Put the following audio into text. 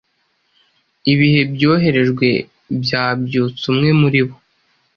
Ibihe byoherejwe byabyutsa umwe muri bo